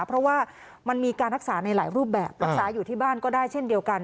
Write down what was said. เพราะว่ามันมีการรักษาในหลายรูปแบบรักษาอยู่ที่บ้านก็ได้เช่นเดียวกัน